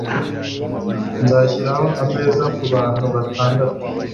nzashyiraho ameza kubantu batandatu